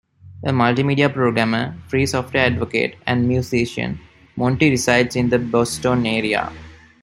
A multimedia programmer, free software advocate and musician, Monty resides in the Boston area.